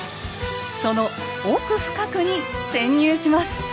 その奥深くに潜入します。